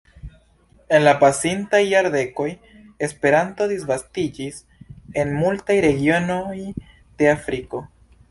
En la pasintaj jardekoj Esperanto disvastiĝis en multaj regionoj de Afriko.